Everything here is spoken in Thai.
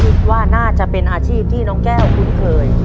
คิดว่าน่าจะเป็นอาชีพที่น้องแก้วคุ้นเคย